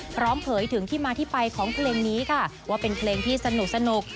เผยถึงที่มาที่ไปของเพลงนี้ค่ะว่าเป็นเพลงที่สนุก